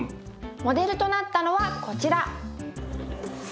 モデルとなったのはこちら。